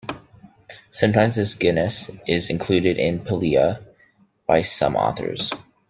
Sometimes this genus is included in "Pilea" by some authors.